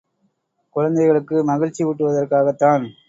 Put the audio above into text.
குழந்தைகளுக்கு மகிழ்ச்சி ஊட்டுவதற்காகத்தான்!